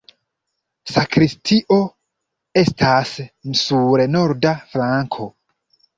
Sakristio estas sur norda flanko.